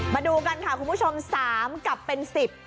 มาดูกันค่ะคุณผู้ชมสามกับเป็น๑๐